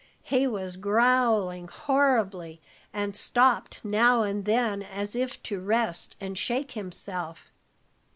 He was growling horribly, and stopped now and then as if to rest and shake himself.